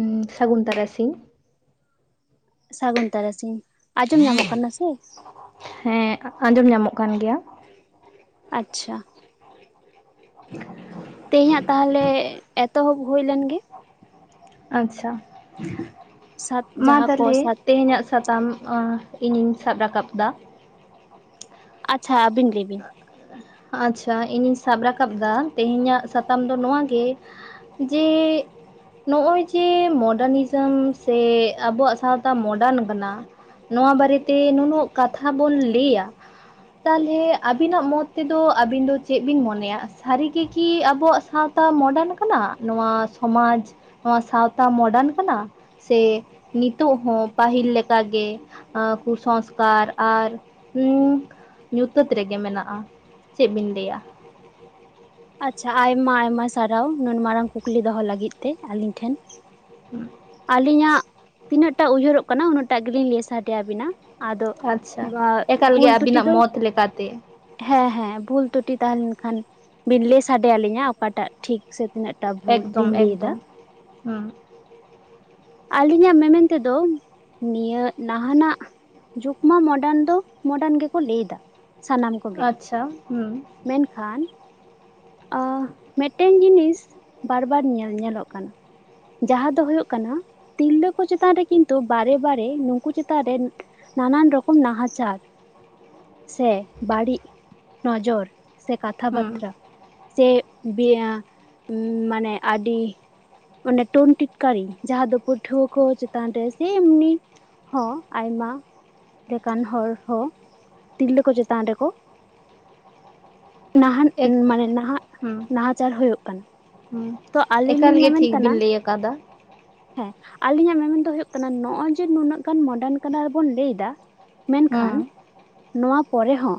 ᱮᱸᱜ ᱥᱟᱹᱜᱩᱱ ᱛᱟᱨᱟᱥᱤᱧ᱾ ᱥᱟᱹᱜᱩᱱ ᱛᱟᱨᱟᱥᱤᱧ ᱟᱸᱡᱚᱢ ᱧᱟᱢᱚᱜ ᱠᱟᱱᱟ ᱥᱮ? ᱦᱮᱸ ᱟᱸᱡᱚᱢ ᱧᱟᱢᱚᱜ ᱠᱟᱱ ᱜᱮᱭᱟ᱾ ᱟᱪᱪᱷᱟ᱾ [unintelligible] ᱛᱮᱦᱮᱧᱟᱜ ᱛᱟᱦᱚᱞᱮ ᱮᱛᱚᱦᱚᱵ ᱦᱩᱭ ᱞᱮᱱ ᱜᱮ᱾ ᱟᱪᱪᱷᱟ ᱥᱟᱛ ᱢᱟ ᱡᱟᱦᱟᱸ ᱠᱚ ᱛᱟᱦᱚᱞᱮ ᱥᱟᱛ ᱛᱮᱦᱮᱧᱟᱜ ᱥᱟᱛᱟᱢ ᱟ ᱤᱧᱤᱧ ᱥᱟᱵ ᱨᱟᱠᱟᱵ ᱫᱟ, ᱟᱪᱪᱷᱟ ᱟᱹᱵᱤᱱ ᱞᱟᱹᱭ ᱵᱤᱱ᱾ ᱟᱪᱪᱷᱟ ᱤᱧᱤᱧ ᱥᱟᱵ ᱨᱟᱠᱟᱵᱫᱟ ᱛᱮᱦᱮᱸᱧᱟᱜ ᱥᱟᱛᱟᱢ ᱫᱚ ᱱᱚᱣᱟᱜ ᱜᱮ ᱡᱮ ᱱᱚᱸᱜᱼᱚᱭ ᱡᱮ ᱢᱚᱰᱟᱨᱱᱤᱡᱚᱢ ᱥᱮ ᱟᱵᱚᱣᱟᱜ ᱥᱟᱶᱛᱟ ᱢᱳᱰᱟᱨᱱ ᱠᱟᱱᱟ ᱱᱚᱣᱟ ᱵᱟᱨᱮᱛᱮ ᱱᱩᱱᱟᱹᱜ ᱠᱟᱛᱷᱟ ᱵᱚᱱ ᱞᱟᱹᱭᱟ ᱛᱟᱦᱞᱮ ᱟᱵᱤᱱᱟᱜ ᱢᱚᱛ ᱛᱮᱫᱚ ᱟᱵᱤᱱ ᱫᱚ ᱪᱮᱫ ᱵᱤᱱ ᱢᱚᱱᱮᱭᱟ ᱥᱟᱹᱨᱤ ᱜᱮᱠᱤ ᱟᱵᱚᱣᱟᱜ ᱥᱟᱶᱛᱟ ᱢᱚᱰᱟᱨᱱ ᱠᱟᱱᱟ ᱱᱚᱣᱟ ᱥᱚᱢᱟᱡᱽ ᱱᱚᱣᱟ ᱥᱟᱶᱛᱟ ᱢᱚᱰᱟᱨᱱ ᱠᱟᱱᱟ? ᱥᱮ ᱱᱤᱛᱚᱜ ᱦᱚᱸ ᱯᱟᱹᱦᱤᱞ ᱞᱮᱠᱟᱜ ᱜᱮ ᱟᱸ ᱠᱩ ᱥᱚᱝᱥᱠᱟᱨ ᱟᱨ ᱩᱸ ᱧᱩᱛᱟᱹᱛ ᱨᱮᱜᱮ ᱢᱮᱱᱟᱜᱼᱟ᱾ ᱪᱮᱫ ᱵᱤᱱ ᱞᱟᱹᱭᱟ? ᱟᱪᱪᱷᱟ ᱟᱭᱢᱟ ᱟᱭᱢᱟ ᱥᱟᱨᱦᱟᱣ ᱱᱩᱱ ᱢᱟᱨᱟᱝ ᱠᱩᱠᱞᱤ ᱫᱚᱦᱚ ᱞᱟᱹᱜᱤᱫ ᱛᱮ ᱟᱹᱞᱤᱧ ᱴᱷᱮᱱ᱾ ᱦᱮᱸ᱾ ᱟᱹᱞᱤᱧᱟᱜ ᱛᱤᱱᱟᱹᱜ ᱴᱟᱜ ᱩᱭᱦᱟᱹᱨᱚᱜ ᱠᱟᱱᱟ ᱩᱱᱟᱹᱜ ᱴᱟᱜ ᱜᱮᱞᱤᱧ ᱞᱟᱹᱭ ᱥᱟᱰᱮᱭᱟᱵᱤᱱᱟ᱾ ᱟᱫᱚ ᱟᱪᱪᱷᱟ ᱵᱟ ᱮᱠᱟᱞ ᱜᱮ ᱵᱷᱩᱞ ᱛᱩᱴᱤ ᱟᱹᱵᱤᱱᱟᱜ ᱫᱚ ᱢᱚᱛ ᱞᱮᱠᱟᱛᱮ ᱦᱮᱸ ᱦᱮᱸ ᱵᱷᱩᱞᱛᱩᱴᱤ ᱛᱟᱦᱮᱸᱱ ᱠᱷᱟᱱ ᱵᱤᱱ ᱞᱟᱹᱭ ᱥᱟᱰᱮ ᱟᱹᱞᱤᱧᱟ ᱚᱠᱟᱴᱟᱜ ᱴᱷᱤᱠ ᱥᱮ ᱛᱤᱱᱟᱹᱜ ᱴᱟ ᱵᱷᱩᱞ ᱞᱤᱧ ᱞᱟᱹᱭ ᱫᱟ, ᱦᱮᱸ᱾ ᱟᱹᱞᱤᱧᱟᱜ ᱢᱮᱱᱢᱮᱱ ᱛᱮᱫᱚ ᱱᱤᱭᱟᱹ ᱱᱟᱦᱟᱸᱱᱟᱜ ᱡᱩᱜᱽ ᱢᱟ ᱢᱚᱰᱟᱱ ᱫᱚ ᱢᱚᱰᱟᱱ ᱜᱮᱠᱚ ᱞᱟᱹᱭ ᱫᱟ, ᱥᱟᱱᱟᱢ ᱠᱚᱜᱮ, ᱟᱪᱪᱷᱟ ᱦᱩᱸ ᱢᱮᱱᱠᱷᱟᱱ ᱟ ᱢᱤᱫᱴᱮᱱ ᱡᱤᱱᱤᱥ ᱵᱟᱨ ᱵᱟᱨ ᱧᱮᱞ ᱧᱮᱞᱚᱜ ᱠᱟᱱᱟ ᱡᱟᱦᱟᱸ ᱫᱚ ᱦᱩᱭᱩᱜ ᱠᱟᱱᱟ ᱛᱤᱨᱞᱟᱹ ᱠᱚ ᱪᱮᱛᱟᱱ ᱨᱮ ᱠᱤᱱᱛᱩ ᱵᱟᱨᱮ ᱵᱟᱨᱮ ᱱᱩᱠᱩ ᱪᱮᱛᱟᱱ ᱨᱮᱱ ᱱᱟᱱᱟᱱ ᱨᱚᱠᱚᱢ ᱱᱟᱦᱟᱪᱟᱨ ᱥᱮ ᱵᱟᱹᱲᱤᱡ ᱱᱚᱡᱚᱨ ᱥᱮ ᱠᱟᱛᱷᱟ ᱵᱟᱛ ᱦᱩᱸ ᱛᱨᱟ ᱥᱮ ᱵᱤᱭᱟ ᱢᱟᱱᱮ ᱟᱹᱰᱤ ᱚᱱᱮ ᱴᱚᱱ ᱴᱤᱴᱠᱟᱨᱤ ᱡᱟᱦᱟᱸ ᱫᱚ ᱯᱟᱹᱴᱷᱩᱣᱟᱹ ᱠᱚ ᱪᱮᱛᱟᱱ ᱨᱮ ᱥᱮ ᱮᱢᱱᱤ ᱦᱚᱸ ᱟᱭᱢᱟ ᱞᱮᱠᱟᱱ ᱦᱚᱲ ᱦᱚᱸ ᱛᱤᱨᱞᱟᱹ ᱠᱚ ᱪᱮᱛᱟᱱ ᱨᱮᱠᱚ ᱱᱟᱦᱟᱸᱱ ᱮᱠ ᱢᱟᱱᱮ ᱱᱟᱦᱟᱸᱜ ᱦᱩᱸ ᱱᱟᱦᱟᱪᱟᱨ ᱦᱳᱭᱳᱜ ᱠᱟᱱᱟ᱾ ᱦᱩᱸ ᱛᱚ ᱜᱮ ᱟᱹᱞᱤᱧ ᱞᱤᱧ ᱮᱠᱟᱞᱜ ᱢᱮᱢᱮᱱ ᱴᱷᱤᱠ ᱠᱟᱱᱟ ᱵᱤᱱ ᱞᱟᱹᱭ ᱟᱠᱟᱫᱟ, ᱦᱮᱸ ᱟᱞᱤᱧᱟᱜ ᱢᱮᱢᱚᱱ ᱫᱚ ᱦᱩᱭᱩᱜᱜ ᱠᱟᱱᱟ ᱱᱚᱸᱜᱼᱚᱭ ᱡᱮ ᱱᱩᱱᱟᱹᱜ ᱜᱟᱱ ᱢᱚᱰᱟᱨᱱ ᱠᱟᱱᱟ ᱨᱮᱵᱚᱱ ᱞᱟᱹᱭ ᱫᱟ ᱢᱮᱱᱠᱷᱟᱱ ᱦᱩᱸ ᱱᱚᱣᱟ ᱯᱚᱨᱮ ᱦᱚᱸ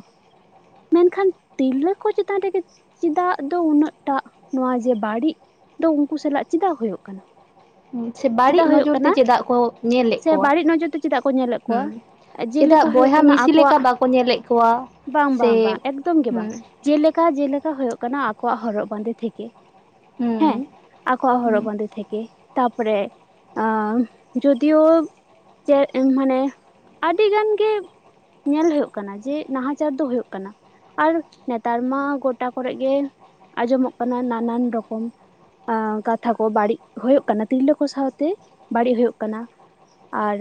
ᱢᱮᱱᱠᱷᱟᱱ ᱛᱤᱨᱞᱟᱹ ᱠᱚ ᱪᱮᱛᱟᱱ ᱨᱮᱜᱮ ᱪᱮᱫᱟᱜ ᱫᱚ ᱩᱱᱟᱹᱜ ᱴᱟᱜ ᱱᱚᱣᱟ ᱡᱮ ᱵᱟᱹᱲᱤᱡ ᱫᱚ ᱩᱱᱠᱩ ᱥᱟᱞᱟᱜ ᱪᱮᱫᱟᱜ ᱦᱩᱭᱩᱜ ᱠᱟᱱᱟ ᱥᱮ ᱵᱟᱹᱲᱤᱡ ᱪᱮᱫᱟᱜ ᱦᱩᱭᱩᱜ ᱱᱚᱡᱚᱨ ᱛᱮ ᱠᱟᱱᱟ ᱪᱮᱫᱟᱜ ᱠᱚ ᱧᱮᱞᱮᱫ ᱥᱮ ᱠᱚᱣᱟ ᱵᱟᱹᱲᱤᱜ ᱱᱚᱡᱚᱨ ᱛᱮ ᱪᱮᱫᱟᱜ ᱠᱚ ᱧᱮᱞᱮᱜ ᱠᱚᱣᱟ ᱦᱩᱸ ᱪᱮᱫᱟᱜ ᱡᱮᱞᱮᱠᱟ ᱦᱩᱭᱩᱜ ᱵᱚᱭᱦᱟ ᱠᱟᱱᱟ ᱢᱤᱥᱤ ᱞᱮᱠᱟ ᱟᱠᱚᱣᱟᱜ ᱵᱟᱠᱚ ᱧᱮᱞᱮᱫ ᱠᱚᱣᱟ ᱵᱟᱝ ᱥᱮ ᱵᱟᱝ ᱮᱠᱫᱚᱢ ᱜᱮ ᱵᱟᱝ, ᱦᱩᱸ ᱡᱮᱞᱮᱠᱟ ᱡᱮᱞᱮᱠᱟ ᱦᱳᱭᱳᱜ ᱠᱟᱱᱟ ᱟᱠᱚᱣᱟᱜ ᱦᱚᱨᱚᱜ ᱵᱟᱸᱫᱮ ᱴᱷᱤᱠ ᱜᱮ ᱦᱮᱸ ᱦᱩᱸ ᱟᱠᱚᱣᱟᱜ ᱦᱚᱨᱚᱜ ᱵᱟᱸᱫᱮ ᱛᱷᱮᱠᱮ ᱛᱟᱯᱚᱨᱮ ᱟᱸ ᱡᱩᱫᱤᱭᱳ ᱪᱮᱜ ᱮᱱ ᱢᱟᱱᱮ ᱟᱹᱰᱤ ᱜᱟᱱ ᱜᱮ ᱧᱮᱞ ᱦᱩᱭᱩᱜ ᱠᱟᱱᱟ ᱡᱮ ᱱᱟᱦᱟᱪᱟᱨ ᱫᱚ ᱦᱩᱭᱩᱜ ᱠᱟᱱᱟ᱾ ᱟᱨ ᱱᱮᱛᱟᱨ ᱢᱟ ᱜᱚᱴᱟ ᱠᱚᱨᱮ ᱜᱮ ᱟᱸᱡᱚᱢᱚᱜ ᱠᱟᱱᱟ ᱱᱟᱱᱟᱱ ᱨᱚᱠᱚᱢ ᱮᱸ ᱠᱟᱛᱷᱟ ᱠᱚ ᱵᱟᱹᱲᱤᱡ ᱦᱩᱭᱩᱜ ᱠᱟᱱᱟ ᱛᱤᱨᱞᱟᱹ ᱥᱟᱶᱛᱮ ᱵᱟᱹᱲᱤᱡ ᱦᱩᱭᱩᱜ ᱠᱟᱱᱟ᱾ ᱟᱨ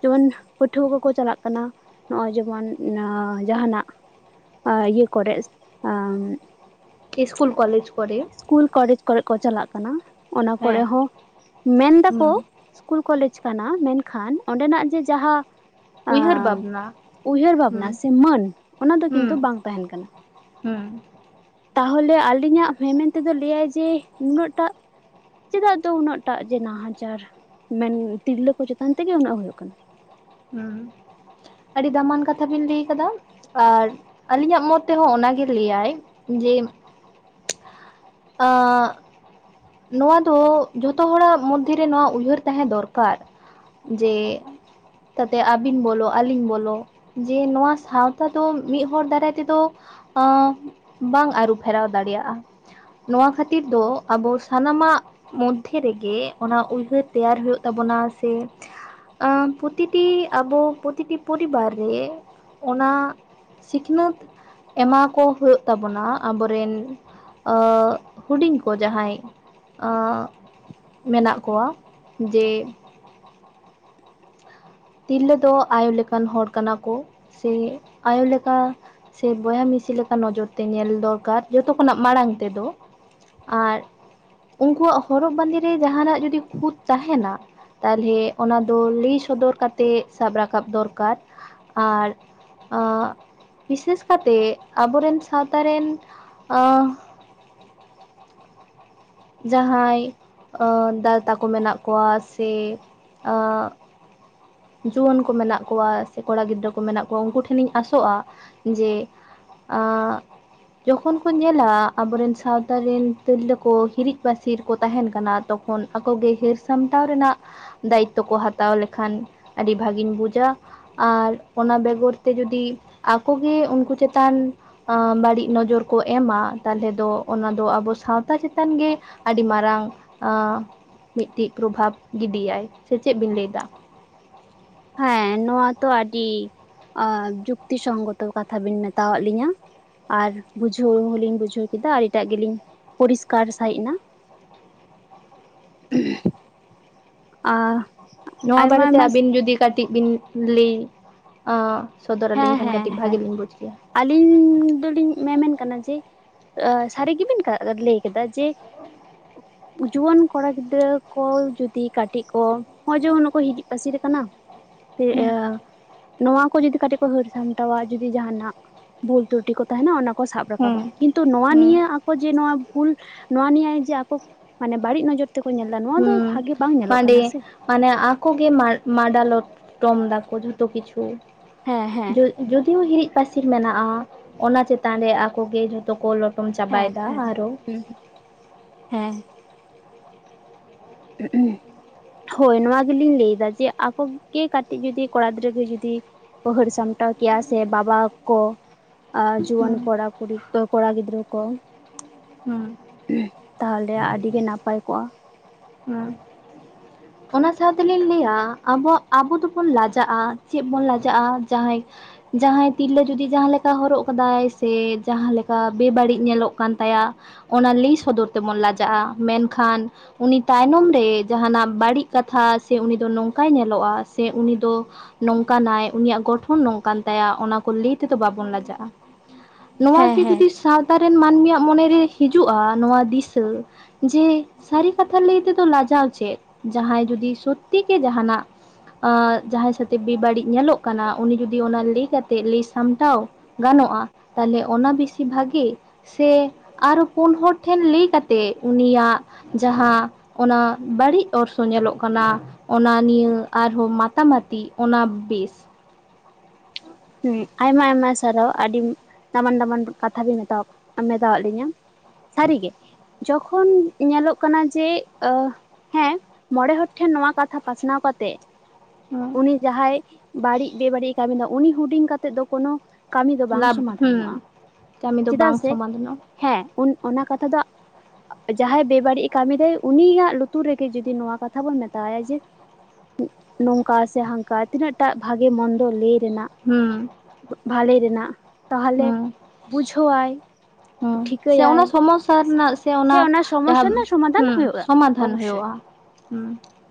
ᱡᱮᱢᱚᱱ ᱯᱟᱹᱴᱷᱩᱣᱟᱹ ᱠᱚᱠᱚ ᱪᱟᱞᱟᱜ ᱠᱟᱱᱟ ᱱᱚᱜᱼᱚᱭ ᱡᱮᱢᱚᱱ ᱱᱚ ᱡᱟᱦᱟᱸᱱᱟᱜ ᱟᱸ ᱤᱭᱟᱹ ᱠᱚᱨᱮᱥ ᱟᱸ ᱤᱥᱠᱩᱞ ᱠᱚᱞᱮᱡᱽ ᱠᱚᱨᱮ, ᱠᱩᱞ ᱠᱚᱞᱮᱡᱽ ᱠᱚᱨᱮ ᱠᱚ ᱪᱟᱞᱟᱜ ᱠᱟᱱᱟ ᱚᱱᱟ ᱠᱚᱨᱮ ᱦᱮᱸ ᱦᱚᱸ ᱢᱮᱱ ᱫᱟᱠᱚ ᱦᱩᱸ ᱠᱩᱞ ᱠᱟᱞᱮᱡᱽ ᱠᱟᱱᱟ ᱢᱮᱱᱠᱷᱟᱱ ᱚᱸᱰᱮᱱᱟᱜ ᱡᱮ ᱡᱟᱦᱟᱸ ᱩᱭᱦᱟᱹᱨ ᱟᱸ ᱵᱷᱟᱵᱽᱱᱟ ᱩᱭᱦᱟᱹᱨ ᱦᱩᱸ ᱵᱷᱟᱵᱽᱱᱟ ᱥᱮ ᱢᱟᱹᱱ ᱚᱱᱟ ᱫᱚ ᱠᱤᱱᱛᱩ ᱦᱩᱸ ᱵᱟᱝ ᱛᱟᱦᱮᱸᱱ ᱠᱟᱱᱟ᱾ ᱦᱩᱸ, ᱛᱟᱦᱚᱞᱮ ᱟᱹᱞᱤᱧᱟᱜ ᱢᱮᱢᱮᱱ ᱛᱮᱫᱚ ᱞᱟᱹᱭᱟᱭ ᱡᱮ ᱱᱩᱱᱟᱹᱜᱴᱟᱜ ᱪᱮᱫᱟᱜ ᱫᱚ ᱩᱱᱟᱹᱜ ᱴᱟᱜ ᱡᱮ ᱱᱟᱦᱟᱪᱟᱨ ᱢᱮᱱ ᱛᱤᱨᱞᱟᱹ ᱠᱚ ᱪᱮᱛᱟᱱ ᱛᱮᱜᱮ ᱩᱱᱟᱹᱜ ᱦᱩᱭᱩᱜ ᱠᱟᱱᱟ᱾ ᱦᱩᱸ ᱟᱹᱰᱤ ᱫᱟᱢᱟᱱ ᱠᱟᱛᱷᱟ ᱵᱤᱱ ᱞᱟᱹᱭ ᱠᱟᱫᱟ ᱟᱨ ᱟᱹᱞᱤᱧᱟᱜ ᱢᱚᱛ ᱛᱮᱦᱚᱸ ᱚᱱᱟᱜᱮ ᱞᱟᱹᱭᱟᱭ ᱡᱮ [inaudible] ᱟᱸᱜ ᱱᱚᱣᱟ ᱫᱚ ᱡᱷᱚᱛᱚ ᱦᱚᱲᱟᱜ ᱢᱚᱫᱽᱫᱷᱮ ᱨᱮ ᱱᱚᱣᱟ ᱩᱭᱦᱟᱹᱨ ᱛᱟᱦᱮᱸ ᱫᱚᱨᱠᱟᱨ᱾ ᱡᱮ ᱛᱟᱛᱮ ᱟᱹᱵᱤᱱ ᱵᱚᱞᱚᱜ ᱟᱹᱞᱤᱧ ᱵᱚᱞᱚᱜ ᱡᱮ ᱱᱚᱣᱟ ᱥᱟᱶᱛᱟ ᱫᱚ ᱢᱤᱜ ᱦᱚᱲ ᱫᱟᱨᱟᱭ ᱛᱮᱫᱚ ᱚᱸ ᱵᱟᱝ ᱟᱹᱨᱩ ᱯᱷᱮᱨᱟᱣ ᱫᱟᱲᱮᱭᱟᱜᱼᱟ᱾ ᱱᱚᱣᱟ ᱠᱷᱟᱹᱛᱤᱨ ᱫᱚ ᱟᱵᱚ ᱥᱟᱱᱟᱢᱟᱜ ᱢᱚᱫᱷᱮ ᱨᱮᱜᱮ ᱚᱱᱟ ᱩᱭᱦᱟᱹᱨ ᱛᱮᱭᱟᱨ ᱦᱩᱭᱩᱜ ᱛᱟᱵᱚᱱᱟ ᱥᱮ ᱟᱸ ᱯᱨᱚᱛᱤᱴᱤ ᱟᱵᱚ ᱯᱨᱚᱛᱤᱴᱤ ᱯᱚᱨᱤᱵᱟᱨ ᱨᱮ ᱚᱱᱟ ᱥᱤᱠᱷᱱᱟᱹᱛ ᱮᱢᱟ ᱠᱚ ᱦᱩᱭᱩᱜ ᱛᱟᱵᱚᱱᱟ ᱟᱵᱚᱨᱮᱱ ᱚᱸᱜ ᱦᱩᱸᱰᱤᱧ ᱠᱚ ᱡᱟᱦᱟᱸᱭ ᱚᱸᱜ ᱢᱮᱱᱟᱜ ᱠᱚᱣᱟ ᱡᱮ ᱛᱤᱨᱞᱟᱹ ᱫᱚ ᱟᱭᱳ ᱞᱮᱠᱟᱱ ᱦᱚᱲ ᱠᱟᱱᱟ ᱠᱚ ᱥᱮ ᱟᱭᱳ ᱞᱮᱠᱟ ᱥᱮ ᱵᱚᱭᱦᱟ ᱢᱤᱥᱤ ᱞᱮᱠᱟ ᱱᱚᱡᱚᱨ ᱛᱮ ᱧᱮᱞ ᱫᱚᱨᱠᱟᱨ ᱡᱚᱛᱚ ᱠᱷᱚᱱᱟᱜ ᱢᱟᱲᱟᱝ ᱛᱮᱫᱚ ᱟᱨ ᱩᱱᱠᱩᱣᱟᱜ ᱦᱚᱨᱚᱜ ᱵᱟᱸᱫᱮ ᱨᱮ ᱡᱟᱦᱟᱸᱱᱟᱜ ᱡᱩᱫᱤ ᱠᱷᱩᱫ ᱛᱟᱦᱮᱸᱱᱟ ᱛᱟᱦᱚᱞᱮ ᱚᱱᱟ ᱫᱚ ᱞᱟᱹᱭ ᱥᱚᱫᱚᱨ ᱠᱟᱛᱮᱜ ᱥᱟᱵ ᱨᱟᱠᱟᱵ ᱫᱚᱨᱠᱟᱨ ᱟᱨ ᱟᱸᱜ ᱵᱤᱥᱮᱥ ᱠᱟᱛᱮ ᱟᱵᱚᱨᱮᱱ ᱥᱟᱶᱛᱟ ᱨᱮᱱ ᱟᱸ ᱡᱟᱦᱟᱸᱭ ᱟᱸ ᱫᱟᱫᱟ ᱛᱟᱠᱚ ᱢᱮᱱᱟᱜ ᱠᱚᱣᱟ ᱥᱮ ᱟᱸ ᱡᱩᱣᱟᱹᱱ ᱠᱚ ᱢᱮᱱᱟᱜ ᱠᱚᱣᱟ ᱥᱮ ᱠᱚᱲᱟ ᱜᱤᱫᱽᱨᱟᱹ ᱠᱚ ᱢᱮᱱᱟᱜ ᱠᱚᱣᱟ ᱩᱱᱠᱩ ᱴᱷᱮᱱᱤᱧ ᱟᱥᱚᱜᱼᱟ ᱡᱮ ᱟᱸᱜ ᱡᱚᱠᱷᱚᱱ ᱠᱚ ᱧᱮᱞᱟ ᱟᱵᱚᱨᱮᱱ ᱥᱟᱶᱛᱟ ᱨᱮᱱ ᱛᱤᱨᱞᱟᱹ ᱠᱚ ᱦᱤᱨᱤᱜ ᱯᱟᱹᱥᱤᱨ ᱠᱚ ᱛᱟᱦᱮᱸᱱ ᱠᱟᱱᱟ ᱛᱚᱠᱷᱚᱱ ᱟᱠᱚᱜᱮ ᱦᱤᱨ ᱥᱟᱢᱴᱟᱣ ᱨᱮᱱᱟᱜ ᱫᱟᱭᱤᱠᱛᱚ ᱠᱚ ᱦᱟᱛᱟᱣ ᱞᱮᱠᱷᱟᱱ ᱟᱹᱰᱤ ᱵᱷᱟᱹᱜᱤᱧ ᱵᱩᱡᱟ᱾ ᱟᱨ ᱚᱱᱟ ᱵᱮᱜᱚᱨ ᱛᱮ ᱡᱩᱫᱤ ᱟᱠᱮ ᱩᱱᱠᱩ ᱪᱮᱛᱟᱱ, ᱟ ᱵᱟᱹᱲᱤᱡ ᱱᱚᱡᱚᱨ ᱠᱚ ᱮᱢᱟ ᱛᱟᱦᱚᱞᱮ ᱫᱚ ᱚᱱᱟ ᱫᱚ, ᱟᱵᱚ ᱥᱟᱶᱛᱟ ᱪᱮᱛᱟᱱ ᱜᱮ ᱟᱹᱰᱤ ᱢᱟᱨᱟᱝ ᱟ, ᱢᱤᱫᱴᱤᱡ ᱯᱨᱚᱵᱷᱟᱵᱽ ᱜᱤᱰᱤᱭᱟᱭ ᱥᱮ ᱪᱮᱫ ᱵᱤᱱ ᱞᱟᱹᱭ ᱮᱫᱟ? ᱦᱮᱸ ᱱᱚᱣᱟ ᱛᱚ ᱟᱹᱰᱤ ᱡᱩᱠᱛᱤ ᱥᱚᱝᱜᱚᱛᱚ ᱠᱟᱛᱷᱟ ᱵᱮᱤᱱ ᱢᱮᱛᱟᱣᱫ ᱞᱤᱧᱟᱹ᱾ ᱟᱨ ᱵᱩᱡᱷᱟᱹᱣ ᱦᱚᱞᱤᱧ ᱵᱩᱡᱷᱟᱹᱣ ᱠᱮᱫᱟ, ᱟᱨ ᱮᱴᱟᱜ ᱜᱮᱞᱤᱧ ᱯᱚᱨᱤᱥᱠᱟᱨ ᱥᱟᱹᱦᱤᱡ ᱮᱱᱟ᱾ [unintelligible] ᱟ [unintelligible] ᱱᱚᱣᱟ ᱵᱟᱨᱮᱛᱮ ᱟᱹᱵᱤᱱ ᱡᱩᱫᱤ ᱠᱟᱹᱴᱤᱡ ᱵᱤᱱ ᱠᱩᱞᱤ ᱚ ᱥᱚᱫᱚᱨ ᱟᱹᱞᱤᱧ ᱦᱮᱸ ᱠᱷᱟᱱ ᱦᱮᱸ ᱠᱟᱴᱤᱡ ᱵᱷᱟᱜᱤ ᱦᱮᱸ ᱞᱤᱧ ᱵᱩᱡ ᱠᱮᱭᱟ, ᱟᱹᱞᱤᱧ ᱫᱚᱞᱤᱧ ᱢᱮᱢᱮᱱ ᱠᱟᱱᱟ ᱡᱮ, ᱥᱟᱹᱨᱤ ᱜᱮᱵᱮᱱ ᱞᱟᱹᱭ ᱠᱮᱫᱟ ᱡᱮ ᱡᱩᱣᱟᱹᱱ ᱠᱚᱲᱟ ᱜᱤᱫᱽᱨᱟᱹ ᱠᱚ ᱡᱩᱫᱤ ᱠᱟᱹᱴᱤᱡ ᱠᱚ, ᱱᱚᱜ ᱡᱮ ᱠᱚ ᱦᱤᱨᱤᱡ ᱯᱟᱹᱥᱤᱨ ᱠᱟᱱᱟ, ᱱᱚᱣᱟ ᱠᱚ ᱡᱤᱫᱤ ᱠᱟᱴᱤᱡ ᱯᱟᱹᱦᱟᱹᱨ ᱥᱟᱢᱴᱟᱣ-ᱟ ᱡᱩᱫᱤ ᱡᱟᱦᱟᱱᱟᱜ, ᱵᱷᱩᱞ ᱛᱨᱩᱴᱤ ᱠᱚ ᱛᱟᱦᱮᱱᱟ ᱚᱱᱟ ᱠᱚ ᱥᱟᱵ ᱦᱩᱸ ᱨᱟᱠᱟᱵᱟ, ᱠᱤᱱᱛᱩ ᱱᱚᱶᱟ ᱦᱩᱸ ᱱᱤᱭᱟᱹ ᱡᱮ ᱱᱚᱣᱟ ᱵᱷᱩᱞ, ᱱᱚᱣᱟ ᱱᱤᱭ ᱡᱮ ᱟᱠᱚ ᱢᱟᱱᱮ ᱵᱟᱹᱲᱤᱡ ᱱᱚᱡᱚᱨ ᱛᱮᱠᱚ ᱧᱮᱞ ᱮᱫᱟ, ᱱᱚᱣᱟ ᱫᱚ ᱦᱩᱸ ᱵᱷᱟᱜᱮ ᱵᱟᱝ ᱧᱮᱞᱚᱜ ᱢᱟᱱᱮ ᱠᱟᱱᱟ ᱥᱮ᱾ ᱢᱟᱱᱮ ᱟᱠᱚᱮ ᱢᱟᱰᱟᱞᱚᱴᱚᱢ ᱫᱟᱠᱚ ᱡᱷᱚᱛᱚ ᱠᱤᱪᱷᱩ, ᱦᱮᱸ ᱦᱮᱸ, ᱡᱫᱤᱭᱳ ᱦᱤᱨᱤᱡ ᱯᱟᱹᱥᱤᱨ ᱢᱮᱱᱟᱜᱼᱟ, ᱚᱱᱟ ᱪᱮᱛᱟᱱ ᱨᱮ ᱟᱠᱚᱜᱮ ᱡᱚᱛᱚ ᱠᱚ ᱞᱚ ᱴᱚᱢ ᱦᱮᱸ ᱪᱟᱵᱟᱭᱮᱫᱟ, ᱟᱨᱚ ᱦᱮᱸ ᱦᱮᱸ, ᱸ [inaudible] ᱦᱳᱭ ᱱᱚᱣᱟ ᱜᱮᱞᱤᱧ ᱞᱟᱹᱭᱫᱟ ᱡᱮ ᱟᱠᱚᱜᱮ ᱠᱟᱹᱴᱤᱡ ᱡᱩᱫᱤ ᱠᱚᱲᱟ ᱜᱤᱫᱽᱨᱟᱹ ᱜᱮ ᱡᱩᱫᱤ, ᱠᱚ ᱦᱟᱹᱨ ᱥᱟᱢᱴᱟᱣ ᱠᱮᱭᱟ, ᱥᱮ ᱵᱟᱵᱟ ᱠᱚ ᱟᱨ ᱡᱩᱣᱟᱹᱱ ᱦᱩᱸ ᱠᱚᱲᱟ ᱠᱩᱲᱤ ᱠᱚᱲᱟ ᱜᱤᱫᱽᱨᱟᱹ ᱠᱚ᱾ ᱦᱩᱸ [unintelligible] ᱛᱟᱦᱚᱞᱮ ᱟᱹᱰᱤ ᱜᱮ ᱱᱟᱯᱟᱭ ᱠᱚᱜᱼᱟ᱾ [unintelligible] ᱦᱮᱸ [unintelligible] [inaudible] ᱚᱱᱟ ᱥᱟᱶ ᱛᱮᱞᱤᱧ ᱞᱟᱹᱭᱟ ᱟᱵᱚ ᱟᱵᱚ ᱫᱚᱵᱚᱱ ᱞᱟᱡᱟᱜᱼᱟ, ᱪᱮᱫ ᱵᱚᱱ ᱞᱟᱡᱟᱜᱼᱟ᱾ ᱡᱟᱦᱟᱸᱭ ᱡᱟᱦᱟᱸᱭ ᱛᱤᱨᱞᱟᱹ ᱡᱩᱫᱤ ᱡᱟᱦᱟᱸᱞᱮᱠᱟ ᱦᱚᱨᱚᱜ ᱟᱠᱟᱫᱟᱭ ᱥᱮ ᱡᱟᱦᱟᱸ ᱞᱮᱠᱟ ᱵᱮᱵᱟᱹᱲᱤᱡ ᱧᱮᱞᱚᱜ ᱠᱟᱱ, ᱛᱟᱭᱟ ᱚᱱᱟ ᱞᱟᱹᱭ ᱥᱚᱫᱚᱨ ᱛᱮᱵᱚᱱ ᱞᱟᱡᱟᱜᱼᱟ, ᱢᱮᱱᱠᱷᱟᱱ ᱩᱱᱤ ᱛᱟᱭᱱᱚᱢ ᱨᱮ ᱡᱟᱦᱟᱱᱟᱜ ᱵᱟᱹᱲᱤᱡ ᱠᱟᱛᱷᱟ ᱥᱮ ᱩᱱᱤ ᱫᱚ ᱱᱚᱝᱠᱟᱭ ᱧᱮᱞᱚᱜᱼᱟ, ᱥᱮ ᱩᱱᱤ ᱫᱚ ᱱᱚᱝᱠᱟᱱᱟᱭ ᱩᱱᱤᱭᱟᱜ ᱜᱚᱴᱷᱚᱱ ᱱᱚᱝᱠᱟᱱ ᱛᱟᱭᱟ ᱚᱱᱟ ᱠᱚ ᱞᱟᱹᱭ ᱛᱮᱫᱚ ᱵᱟᱵᱚᱱ ᱞᱟᱡᱟᱜᱼᱟ᱾ ᱦᱮᱸ ᱱᱚᱣᱟᱜᱮ ᱦᱮᱸ ᱡᱩᱫᱤ ᱥᱟᱶᱛᱟ ᱨᱮᱱ ᱢᱟᱹᱱᱢᱤᱭᱟᱜ ᱢᱚᱱᱮᱨᱮ ᱦᱤᱡᱩᱜᱼᱟ ᱱᱚᱣᱟ ᱫᱤᱥᱟᱹ᱾ ᱡᱮ ᱥᱟᱹᱨᱤ ᱠᱟᱛᱷᱟ ᱞᱟᱹᱭ ᱛᱮᱫᱚ ᱞᱟᱡᱟᱣ ᱪᱮᱫ, ᱡᱟᱦᱟᱸᱭ ᱡᱩᱚᱫᱤ ᱥᱚᱛᱷᱤ ᱠᱮ ᱡᱟᱦᱟᱱᱟᱜ ᱟ, ᱡᱟᱦᱟᱸᱭ ᱥᱟᱣᱛᱮ ᱵᱮᱵᱟᱹᱲᱤᱡ ᱧᱮᱞᱚᱜ ᱠᱟᱱᱟ, ᱩᱱᱤ ᱡᱩᱫᱤ ᱚᱱᱟ ᱞᱟᱹᱭ ᱥᱟᱢᱴᱟᱣ ᱜᱟᱱᱚᱜᱼᱟ, ᱛᱟᱦᱞᱮ ᱚᱱᱟ ᱵᱮᱥᱤ ᱵᱷᱟᱜᱤ, ᱥᱮ ᱟᱨᱚ ᱯᱩᱱ ᱦᱚᱲ ᱴᱷᱮᱱ ᱞᱟᱹᱭ ᱠᱟᱛᱮᱫ ᱩᱱᱤᱭᱟᱜ ᱡᱟᱦᱟᱸ ᱚᱱᱟ ᱵᱟᱹᱲᱤᱡ ᱚᱨᱥᱚ ᱠᱟᱱᱟ, ᱚᱱᱟ ᱱᱤᱭᱟᱹ ᱟᱨᱦᱚᱸ ᱢᱟᱛᱟ ᱢᱟᱛᱤ ᱚᱱᱟ ᱵᱮᱥ᱾ ᱦᱮᱸ ᱟᱭᱢᱟᱼᱟᱭᱢᱟ ᱥᱟᱨᱦᱟᱣ, ᱟᱹᱰᱤ ᱫᱟᱢᱟᱱᱼᱫᱟᱢᱟᱱ ᱠᱟᱛᱷᱟ ᱵᱤᱱ ᱢᱮᱛᱟ ᱢᱮᱛᱟᱣᱟᱫ ᱞᱤᱧᱟᱹ᱾ ᱥᱟᱹᱨᱤᱜᱮ ᱡᱚᱠᱷᱚᱱ ᱧᱮᱞᱚᱜ ᱠᱟᱱᱟ ᱡᱮ, ᱚ ᱦᱮᱸ ᱢᱚᱬᱮ ᱦᱚᱲ ᱴᱷᱮᱱ ᱱᱚᱣᱟ ᱠᱟᱛᱷᱟ ᱯᱟᱥᱱᱟᱣ ᱠᱟᱛᱮ, ᱩᱱᱤ ᱡᱟᱦᱟᱸᱭ ᱵᱟᱹᱲᱤᱡ ᱵᱮᱵᱟᱹᱲᱤᱡ ᱠᱟᱹᱢᱤᱫᱟ ᱩᱱᱤ ᱦᱩᱰᱤᱧ ᱠᱟᱛᱮ ᱫᱚ ᱠᱳᱱᱳ ᱠᱟᱹᱢᱤ ᱫᱚ ᱵᱟᱝ ᱞᱟᱵᱷ ᱥᱚᱢᱟᱫᱷᱟᱱᱚᱜᱼᱟ, ᱦᱩᱸ ᱠᱟᱹᱢᱤ ᱫᱚ ᱪᱮᱫᱟᱜ ᱵᱟᱝ ᱥᱮ ᱥᱚᱢᱟᱫᱷᱟᱱᱚᱜᱼᱟ ᱦᱮᱸ ᱚᱱᱟ ᱠᱟᱛᱷᱟ ᱫᱚ ᱡᱟᱦᱟᱸᱭ ᱵᱮᱵᱟᱹᱲᱤᱡ ᱮ ᱠᱟᱹᱢᱤ ᱫᱟᱭ ᱩᱱᱤᱭᱟᱜ ᱞᱩᱛᱩᱨ ᱨᱮᱜᱮ ᱡᱩᱫᱤ ᱱᱚᱣᱟ ᱠᱟᱛᱷᱟ ᱵᱚᱱ ᱢᱮᱛᱟᱣᱟᱭᱟ ᱡᱮ᱾ ᱱᱩᱜ ᱱᱚᱝᱠᱟ ᱥᱮ ᱦᱟᱱᱠᱟ ᱛᱤᱱᱟᱹᱜ ᱴᱟᱜ ᱵᱷᱟᱜᱮ ᱢᱚᱱᱫᱚ ᱞᱟᱹᱭ ᱨᱮᱱᱟᱜ ᱦᱩᱹ᱾ ᱵᱷᱟᱞᱮ ᱨᱮᱱᱟᱜ ᱛᱟᱦᱚᱞᱮ ᱵᱩᱡᱷᱟᱹᱣᱟᱭ᱾ ᱦᱩᱸ ᱥᱮ ᱴᱷᱤᱠᱟᱹᱭᱟᱭ ᱚᱱᱟ ᱥᱚᱢᱚᱥᱟ ᱨᱮᱱᱟᱜ ᱥᱮ ᱚᱱᱟ ᱥᱚᱢᱚᱥᱥᱟ ᱡᱟᱦᱟᱸ ᱨᱮᱱᱟᱜ ᱥᱚᱢᱟᱫᱷᱟᱱ ᱦᱩᱸ ᱦᱩᱭᱩᱜᱼᱟ ᱥᱚᱢᱟᱫᱷᱟᱱ ᱚᱵᱚᱥᱥᱳᱭ ᱦᱩᱭᱩᱜᱼᱟ᱾ ᱦᱩᱸ᱾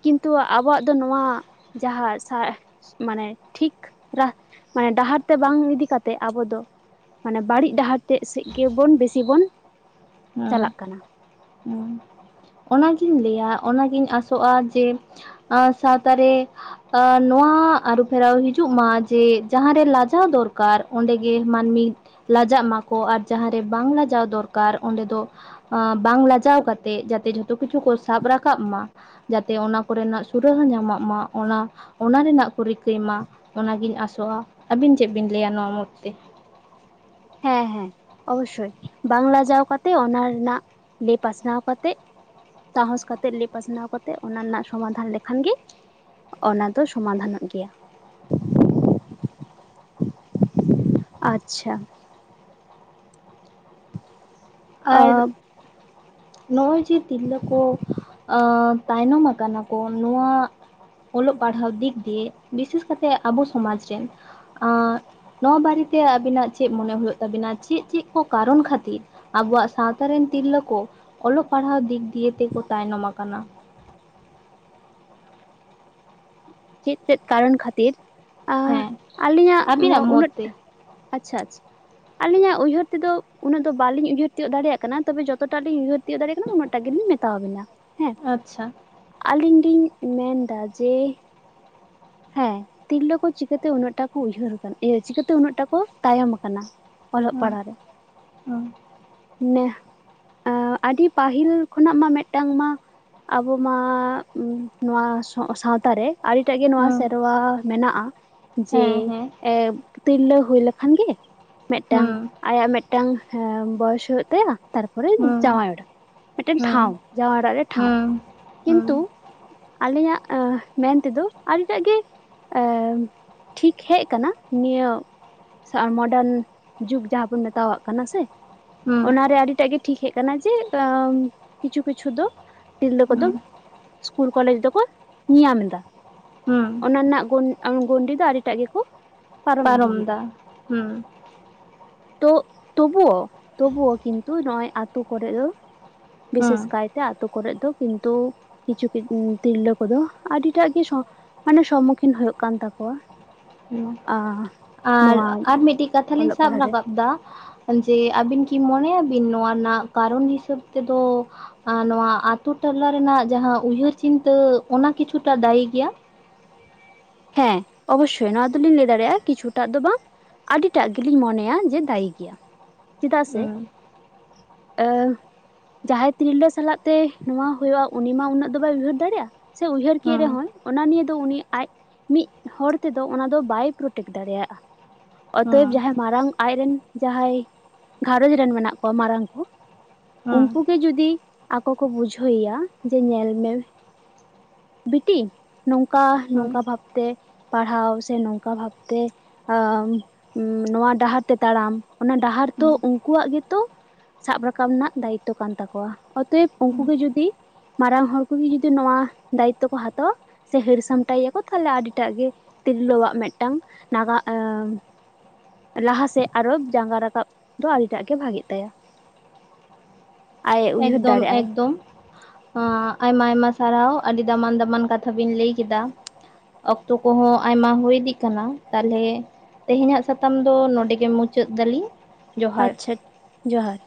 ᱠᱤᱱᱛᱩ ᱟᱵᱚᱣᱟᱜ ᱫᱚ ᱱᱚᱣᱟ ᱡᱟᱦᱟᱸ ᱥᱟ ᱢᱟᱱᱮ ᱴᱷᱤᱠ ᱨᱟᱦ ᱢᱟᱱᱮ ᱰᱟᱦᱟᱨ ᱛᱮ ᱵᱟᱝ ᱤᱫᱤ ᱠᱟᱛᱮᱜ ᱟᱵᱚ ᱫᱚ ᱢᱟᱱᱮ ᱵᱟᱹᱲᱤᱡ ᱰᱟᱦᱟᱨ ᱛᱮᱜ ᱥᱮᱜ ᱜᱮᱵᱚᱱ ᱵᱮᱥᱤ ᱵᱚᱱ ᱦᱩᱸ ᱪᱟᱞᱟᱜ ᱠᱟᱱᱟ ᱦᱩᱸ ᱚᱱᱟᱜᱤᱧ ᱞᱟᱹᱭᱟ ᱚᱱᱟᱜᱤᱧ ᱟᱥᱚᱜᱼᱟ, ᱡᱮ ᱟ ᱥᱟᱶᱛᱟ ᱨᱮ ᱟ ᱱᱚᱣᱟ ᱟᱹᱨᱩ ᱯᱷᱮᱨᱟᱣ ᱦᱤᱡᱩᱜ ᱢᱟ ᱡᱮ ᱡᱟᱦᱟᱸᱨᱮ ᱞᱟᱡᱟᱣ ᱫᱚᱨᱠᱟᱨ ᱚᱸᱰᱮᱜᱮ ᱢᱟᱹᱱᱢᱤ ᱞᱟᱡᱟᱜ ᱢᱟᱠᱚ ᱟᱨ ᱡᱟᱦᱟᱸᱨᱮ ᱵᱟᱝ ᱞᱟᱡᱟᱣ ᱫᱚᱨᱠᱟᱨ ᱚᱸᱰᱮ ᱫᱚ ᱵᱟᱝ ᱞᱟᱡᱟᱣ ᱠᱟᱛᱮᱜ ᱡᱟᱛᱮ ᱡᱷᱚᱛᱚ ᱠᱤᱪᱷᱩ ᱠᱚ ᱥᱟᱵ ᱨᱟᱠᱟᱵ ᱢᱟ, ᱡᱟᱛᱮ ᱚᱱᱟ ᱠᱚᱨᱮᱱᱟᱜ ᱥᱩᱨᱟᱹ ᱦᱚᱸ ᱧᱟᱢᱚᱜ ᱢᱟ ᱚᱱᱟ, ᱚᱱᱟ ᱨᱮᱱᱟᱜ ᱠᱚ ᱨᱤᱠᱟᱹᱭ ᱢᱟ᱾ ᱚᱱᱟᱜᱤᱧ ᱟᱥᱚᱜᱼᱟ, ᱟᱹᱵᱤᱱ ᱪᱮᱫ ᱵᱤᱱ ᱞᱟᱹᱭᱟ ᱱᱚᱣᱟ ᱢᱩᱫᱽ ᱛᱮ᱾ ᱦᱮᱸ ᱦᱮᱸ ᱚᱵᱚᱥᱳᱭ ᱵᱟᱝ ᱞᱟᱡᱟᱣ ᱠᱟᱛᱮ ᱚᱱᱟ ᱨᱮᱱᱟᱜ ᱞᱟᱹᱭ ᱯᱟᱥᱱᱟᱣ ᱠᱟᱛᱮᱜ ᱥᱟᱦᱚᱸᱥ ᱠᱟᱛᱮᱜ ᱞᱟᱹᱭ ᱯᱟᱥᱱᱟᱣ ᱠᱟᱛᱮᱜ ᱚᱱᱟ ᱨᱮᱱᱟᱜ ᱥᱚᱢᱟᱫᱷᱟᱱ ᱞᱮᱠᱷᱟᱱ ᱜᱮ ᱚᱱᱟ ᱫᱚ ᱥᱚᱢᱟᱫᱷᱟᱱᱚᱜ ᱜᱮᱭᱟ᱾ ᱟᱪᱪᱷᱟ᱾ ᱟᱨ ᱟ ᱱᱚᱸᱜᱼᱚᱭ ᱡᱮ ᱛᱤᱨᱞᱟᱹ ᱠᱚ ᱟ ᱛᱟᱭᱱᱚᱢ ᱟᱠᱟᱱᱟ ᱠᱚ ᱱᱚᱣᱟ ᱚᱞᱚᱜ ᱯᱟᱲᱦᱟᱣ ᱫᱤᱜ ᱫᱤᱭᱮ ᱵᱤᱥᱮᱥ ᱠᱟᱛᱮ ᱟᱵᱚ ᱥᱚᱢᱟᱡᱽ ᱨᱮ, ᱟ ᱱᱚᱣᱟ ᱵᱟᱨᱮᱛᱮ ᱟᱵᱤᱱᱟᱜ ᱪᱮᱫ ᱢᱚᱱᱮ ᱦᱩᱭᱩᱜ ᱛᱟᱵᱤᱱᱟ ᱪᱮᱫ ᱪᱮᱫ ᱠᱚ ᱠᱟᱨᱚᱱ ᱠᱷᱟᱹᱛᱤᱨ ᱟᱵᱚᱣᱟᱜ ᱥᱟᱶᱛᱟ ᱨᱮᱱ ᱛᱤᱨᱞᱟᱹ ᱠᱚ ᱚᱞᱚᱜ ᱯᱟᱲᱦᱟᱣ ᱫᱤᱠ ᱫᱤᱭᱮ ᱛᱮᱠᱚ ᱛᱟᱭᱱᱚᱢ ᱟᱠᱟᱱᱟ? ᱪᱮᱫ ᱪᱮᱫ ᱠᱟᱨᱚᱱ ᱠᱷᱟᱹᱛᱤᱨ ᱟ ᱦᱮᱸ ᱟᱹᱞᱤᱧᱟᱜ ᱢᱚ ᱟᱵᱤᱱᱟᱜ ᱩᱱᱟᱹᱜ ᱢᱚᱛ ᱛᱮ ᱟᱪᱪᱷᱟ ᱟᱪᱷ ᱟᱹᱞᱤᱧᱟᱜ ᱩᱭᱦᱟᱹᱨ ᱛᱮᱫᱚ ᱩᱱᱟᱹᱜ ᱫᱚ ᱵᱟᱞᱤᱧ ᱩᱦᱟᱹᱨ ᱛᱤᱭᱚᱜ ᱫᱟᱲᱭᱟᱜ ᱠᱟᱱᱟ ᱛᱚᱵᱮ ᱡᱚᱛᱚ ᱴᱟᱜ ᱞᱤᱧ ᱩᱭᱦᱟᱹᱨ ᱛᱤᱭᱳᱜ ᱫᱟᱲᱮᱭᱟᱜ ᱠᱟᱱᱟ ᱩᱱᱟᱹᱜ ᱴᱟ ᱜᱮᱞᱤᱧ ᱢᱮᱛᱟᱣᱵᱤᱱᱟ ᱦᱮᱸ᱾ ᱟᱪᱪᱷᱟ ᱟᱹᱞᱤᱧ ᱞᱤᱧ ᱢᱮᱱᱫᱟ ᱡᱮ ᱦᱮᱸ ᱛᱤᱨᱞᱟᱹ ᱠᱚ ᱪᱤᱠᱟᱹᱛᱮ ᱩᱱᱟᱹᱜ ᱴᱟ ᱠᱚ ᱩᱭᱦᱟᱹᱨ, ᱤᱭᱟᱹ ᱪᱤᱠᱟᱹᱛᱮ ᱩᱱᱟᱹᱜ ᱴᱟ ᱠᱚ ᱛᱟᱭᱚᱢ ᱠᱟᱱᱟ? ᱚᱞᱚᱜ ᱦᱩᱸ ᱯᱟᱲᱦᱟᱜ ᱨᱮ, ᱦᱩᱸ ᱱᱮᱦ ᱟ ᱟᱹᱰᱤ ᱯᱟᱹᱦᱤᱞ ᱠᱷᱚᱱᱟᱜ ᱢᱟ ᱢᱤᱫᱴᱟᱝ ᱢᱟ ᱟᱵᱚ ᱢᱟ ᱱᱚᱣᱟ ᱥᱚ ᱥᱟᱶᱛᱟ ᱨᱮ, ᱟᱹᱰᱤᱴᱟᱜ ᱜᱮ ᱱᱚᱣᱟ ᱦᱩᱸ ᱥᱮᱨᱣᱟ ᱢᱮᱱᱟᱜᱼᱟ ᱡᱮ ᱦᱮᱸ ᱦᱮᱸ ᱛᱤᱨᱞᱟᱹ ᱦᱳᱭ ᱞᱮᱠᱷᱟᱱ ᱜᱮ ᱢᱤᱫᱴᱟᱝ ᱦᱩᱸ ᱟᱭᱟᱜ ᱢᱤᱫᱴᱟᱝ ᱦᱮᱸ ᱵᱚᱭᱮᱥ ᱦᱳᱭᱳᱜ ᱛᱟᱭᱟ, ᱛᱟᱨᱯᱚᱨᱮ ᱦᱩᱸ ᱡᱟᱶᱟᱭ ᱚᱲᱟᱜ ᱢᱤᱫᱴᱮᱱ ᱦᱩᱸ ᱴᱷᱟᱶ ᱡᱟᱶᱟᱭ ᱚᱲᱟᱜ ᱨᱮ ᱴᱷᱟᱶ, ᱦᱩᱸ ᱦᱩᱸ ᱠᱤᱱᱛᱩ ᱟᱞᱤᱧᱟᱜ ᱟ ᱢᱮᱱ ᱛᱮᱫᱚ ᱟᱹᱰᱤ ᱴᱟᱜ ᱜᱮ ᱟ ᱴᱷᱤᱠ ᱦᱮᱡ ᱠᱟᱱᱟ ᱱᱤᱭᱟᱹ ᱥᱮ ᱢᱳᱰᱟᱱ ᱡᱩᱜᱽ ᱡᱟᱦᱟᱸ ᱵᱚᱱ ᱢᱮᱛᱟᱣᱟᱜ ᱠᱟᱱᱟ ᱥᱮ, ᱦᱩᱸ ᱚᱱᱟᱨᱮ ᱟᱹᱰᱤᱴᱟᱜ ᱜᱮ ᱴᱷᱤᱠ ᱦᱮᱡ ᱠᱟᱱᱟ ᱡᱮ ᱠᱤᱪᱷᱩ ᱠᱤᱪᱷᱩ ᱫᱚ ᱛᱤᱨᱞᱟᱹ ᱠᱚᱫᱚ ᱦᱩᱸ ᱤᱥᱠᱩᱞ ᱠᱚᱞᱮᱡᱽ ᱫᱚᱠᱚ ᱧᱮᱧᱟᱢ ᱫᱟ, ᱦᱩᱸ ᱚᱱᱟ ᱨᱮᱱᱟᱜ ᱜᱩᱱ ᱜᱩᱱᱰᱤ ᱫᱚ ᱟᱹᱰᱤᱴᱟᱜ ᱜᱮᱠᱚ ᱯᱟᱨᱚᱢ ᱤᱫᱤᱭᱮᱫᱟ ᱫᱟ ᱦᱩᱸ ᱾ ᱛᱳ ᱛᱚᱵᱩᱳ ᱛᱚᱵᱩᱳ ᱠᱤᱱᱛᱩ ᱱᱚᱸᱜᱼᱚᱭ ᱟᱛᱩ ᱠᱚᱨᱮᱜ ᱫᱚ ᱦᱩᱸ ᱵᱤᱥᱮᱥ ᱠᱟᱭᱛᱮ ᱟᱛᱳ ᱠᱚᱨᱮᱫ ᱫᱚ ᱠᱤᱱᱛᱩ ᱠᱤᱪᱷᱩ ᱛᱤᱨᱞᱟᱹ ᱠᱚᱫᱚ ᱟᱹᱰᱤ ᱮᱴᱟᱜ ᱠᱤᱪᱷᱩ ᱢᱟᱱᱮ ᱥᱚᱢᱢᱩᱠᱷᱤᱱ ᱦᱩᱭᱩᱜ ᱠᱟᱱ ᱛᱟᱠᱚᱣᱟ ᱾ ᱦᱩᱸ ᱟᱨ, ᱟᱨ ᱢᱤᱫᱴᱤᱡ ᱠᱟᱛᱷᱟ ᱞᱤᱧ ᱚᱞᱚᱜ ᱥᱟᱵ ᱯᱟᱲᱦᱟᱜ ᱨᱮ ᱨᱟᱠᱟᱵ ᱫᱟ ᱡᱮ ᱟᱹᱵᱤᱱ ᱠᱤ ᱢᱚᱱᱮᱭ ᱟᱵᱤᱱ ᱱᱚᱣᱟ ᱨᱮᱱᱟᱜ ᱠᱟᱨᱚᱱ ᱦᱤᱥᱟᱹᱵ ᱛᱮᱫᱚ ᱟᱨ ᱱᱚᱣᱟ ᱟᱛᱩ ᱴᱚᱞᱟ ᱨᱮᱱᱟᱜ ᱡᱟᱦᱟᱸ ᱩᱭᱦᱟᱹᱨ ᱪᱤᱱᱛᱟᱹ ᱚᱱᱟ ᱠᱤᱪᱷᱩᱴᱟ ᱫᱟᱭᱤ ᱜᱮᱭᱟ? ᱦᱮᱸ ᱚᱵᱚᱥᱥᱳᱭ ᱱᱚᱣᱟ ᱫᱚᱞᱤᱧ ᱞᱟᱹᱭ ᱫᱟᱲᱮᱭᱟᱜᱼᱟ ᱠᱤᱪᱷᱩᱴᱟᱜ ᱫᱚ ᱵᱟᱝ ᱟᱹᱰᱤᱴᱟᱜ ᱜᱮᱞᱤᱧ ᱢᱚᱱᱮᱭᱟ ᱡᱮ ᱫᱟᱹᱭᱤ ᱜᱮᱭᱟ ᱪᱮᱫᱟᱜ ᱥᱮ ᱦᱩᱸ ᱡᱟᱦᱟᱸᱭ ᱛᱤᱨᱞᱟᱹ ᱥᱟᱞᱟᱜ ᱛᱮ ᱱᱚᱣᱟ ᱦᱳᱭᱳᱜᱼᱟ ᱩᱱᱤ ᱢᱟ ᱩᱱᱟᱹᱜ ᱫᱚ ᱵᱟᱭ ᱩᱭᱦᱟᱹᱨ ᱫᱟᱲᱮᱭᱟᱜᱼᱟ ᱾ ᱥᱮ ᱩᱭᱦᱟᱹᱨ ᱠᱮ ᱦᱩᱸ ᱨᱮᱦᱚᱸᱭ ᱚᱱᱟ ᱱᱤᱭᱮ ᱫᱚ ᱩᱱᱤ ᱟᱡ ᱢᱤᱫ ᱦᱚᱲ ᱛᱮᱫᱚ ᱚᱱᱟ ᱫᱚ ᱵᱟᱭ ᱯᱨᱚᱴᱮᱠ ᱫᱟᱲᱮᱭᱟᱜᱼᱟ ᱦᱩᱸ ᱚᱛᱚᱭᱮᱵ ᱡᱟᱦᱟᱸᱭ ᱢᱟᱨᱟᱝ ᱟᱡᱨᱮᱱ ᱡᱟᱦᱟᱸᱭ ᱜᱷᱟᱨᱚᱸᱡᱽ ᱨᱮᱱ ᱢᱮᱱᱟᱜ ᱠᱚᱣᱟ ᱢᱟᱨᱟᱝ ᱠᱚ ᱦᱩᱸ ᱩᱱᱠᱩ ᱜᱮ ᱡᱩᱫᱤ ᱟᱠᱚ ᱠᱚ ᱵᱩᱡᱷᱟᱹᱣ ᱮᱭᱟ ᱡᱮ ᱧᱮᱞ ᱢᱮ ᱵᱤᱴᱤ ᱱᱚᱝᱠᱟ ᱦᱩᱸ ᱱᱚᱝᱠᱟ ᱵᱷᱟᱵᱛᱮ ᱯᱟᱲᱦᱟᱣ ᱥᱮ ᱱᱚᱝᱠᱟ ᱵᱷᱟᱵᱛᱮ ᱟ ᱱᱚᱣᱟ ᱰᱟᱦᱟᱨ ᱛᱮ ᱛᱟᱲᱟᱢ ᱾ ᱚᱱᱟ ᱰᱟᱦᱟᱨ ᱛᱚ ᱦᱩᱸ ᱩᱱᱠᱩᱣᱟᱜ ᱜᱮᱛᱚ ᱥᱟᱵ ᱨᱟᱠᱟᱵ ᱨᱮᱱᱟᱜ ᱫᱟᱭᱤᱛᱛᱚ ᱠᱟᱱ ᱛᱟᱠᱚᱣᱟ ᱾ ᱚᱛᱚᱭᱮᱵ ᱩᱱᱠᱩ ᱦᱩᱸ ᱜᱮ ᱡᱩᱫᱤ ᱢᱟᱨᱟᱝ ᱦᱚᱲ ᱠᱚᱜᱮ ᱡᱩᱫᱤ ᱱᱚᱣᱟ ᱫᱟᱭᱤᱛᱛᱚ ᱠᱚ ᱦᱟᱛᱟᱣᱟ ᱥᱮ ᱦᱟᱹᱨ ᱥᱟᱢᱴᱟᱭ ᱮᱭᱟᱠᱚ ᱛᱟᱦᱚᱞᱮ ᱟᱹᱰᱤᱴᱟᱜ ᱜᱮ ᱛᱤᱨᱞᱟᱹᱣᱟᱜ ᱢᱤᱫᱴᱟᱝ ᱱᱟᱜᱟ ᱟ ᱞᱟᱦᱟ ᱥᱮᱫ ᱟᱨᱦᱚ ᱡᱟᱸᱜᱟ ᱨᱟᱠᱟᱵ ᱫᱚ ᱟᱹᱰᱤᱴᱟᱜ ᱜᱮ ᱵᱷᱟᱜᱤᱜ ᱛᱟᱭᱟ ᱾ ᱟᱡ ᱩᱭᱦᱟᱹᱨ ᱮᱠᱫᱚᱢ ᱫᱟᱲᱮᱭᱟᱜᱼᱟᱭ ᱾ ᱮᱠᱫᱚᱢ ᱟᱭᱢᱟ ᱟᱭᱢᱟ ᱥᱟᱨᱦᱟᱣ ᱟᱹᱰᱤ ᱫᱟᱢᱟᱱ ᱫᱟᱢᱟᱱ ᱠᱟᱛᱷᱟ ᱵᱤᱱ ᱞᱟᱹᱭ ᱠᱮᱫᱟ᱾ ᱚᱠᱛᱚ ᱠᱚᱦᱚᱸ ᱟᱭᱢᱟ ᱦᱩᱭ ᱤᱫᱤᱜ ᱠᱟᱱᱟ ᱛᱟᱦᱚᱞᱮ ᱛᱮᱦᱮᱧᱟᱜ ᱥᱟᱛᱟᱢ ᱫᱚ ᱱᱚᱸᱰᱮ ᱜᱮ ᱢᱩᱪᱟᱹᱫ ᱫᱟᱞᱤᱧ ᱾ ᱟᱪᱪᱷᱟ ᱡᱚᱦᱟᱨ᱾